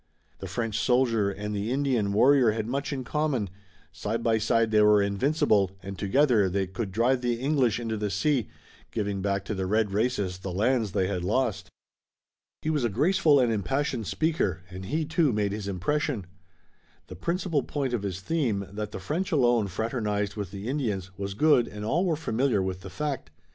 The French soldier and the Indian warrior had much in common, side by side they were invincible, and together they could drive the English into the sea, giving back to the red races the lands they had lost. He was a graceful and impassioned speaker, and he, too, made his impression. The principal point of his theme, that the French alone fraternized with the Indians, was good and all were familiar with the fact.